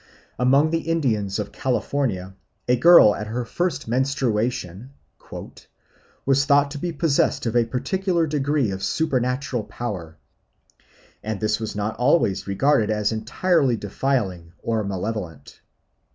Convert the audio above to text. Among the Indians of California a girl at her first menstruation "was thought to be possessed of a particular degree of supernatural power, and this was not always regarded as entirely defiling or malevolent.